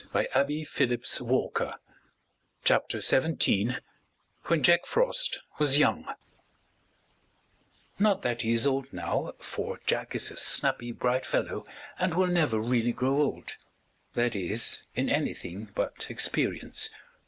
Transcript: WHEN JACK FROST WAS YOUNG [Illustration: When Jack Frost was Young] Not that he is old now, for Jack is a snappy, bright fellow, and will never really grow old that is, in anything but experience.